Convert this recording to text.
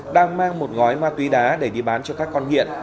đang mang một gói ma túy đá để đi bán cho các con nghiện